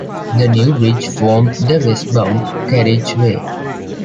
The new bridge formed the westbound carriageway.